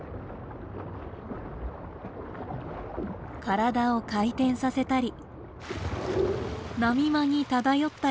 体を回転させたり波間に漂ったり。